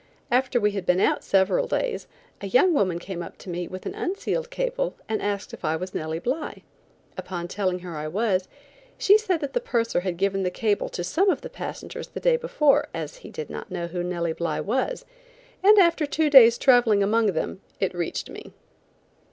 After we had been out several days, a young woman came to me with an unsealed cable and asked if I was Nellie Bly. Upon telling her I was, she said that the purser had given the cable to some of the passengers the day before, as he did not know who Nellie Bly was, and after two days traveling among them it reached me.